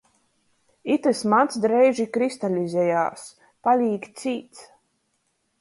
Itys mads dreiži krystalizējās – palīk cīts.